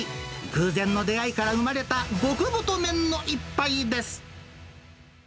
偶然の出会いから生まれた極太麺の一杯です。